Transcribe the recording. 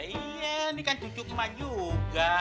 iya ini kan cucuk mak juga